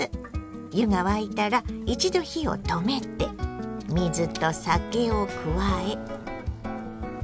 湯が沸いたら一度火を止めて水と酒を加えかき混ぜます。